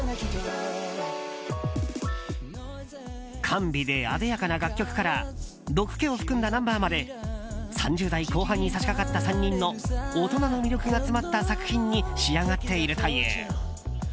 甘美で艶やかな楽曲から毒気を含んだナンバーまで３０代後半に差し掛かった３人の大人の魅力が詰まった作品に仕上がっているという。